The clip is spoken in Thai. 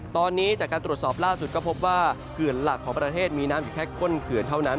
ตอนนี้จากการตรวจสอบล่าสุดก็พบว่าเขื่อนหลักของประเทศมีน้ำอยู่แค่ก้นเขื่อนเท่านั้น